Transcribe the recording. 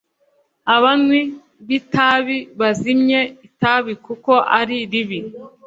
abanywi b’itabi bazimye itabi kuko ari ribi